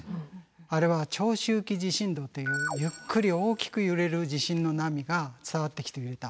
あれは長周期地震動っていうゆっくり大きく揺れる地震の波が伝わってきて揺れた。